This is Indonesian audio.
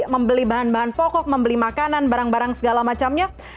membeli bahan bahan pokok membeli makanan barang barang segala macamnya